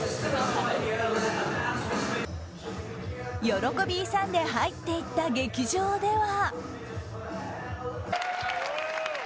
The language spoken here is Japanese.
喜び勇んで入っていった劇場では。